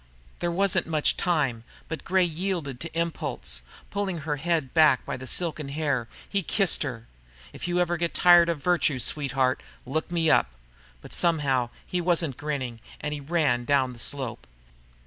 There wasn't much time, but Gray yielded to impulse. Pulling her head back by the silken hair, he kissed her. "If you ever get tired of virtue, sweetheart, look me up." But somehow he wasn't grinning, and he ran down the slope.